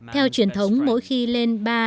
theo truyền thống mỗi khi lên ba năm và bảy tuổi